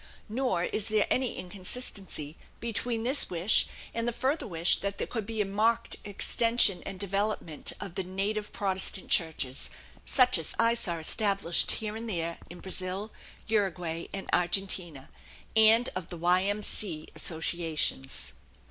Nor is there any inconsistency between this wish and the further wish that there could be a marked extension and development of the native Protestant churches, such as I saw established here and there in Brazil, Uruguay, and Argentina, and of the Y. M. C. Associations.